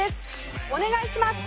お願いします！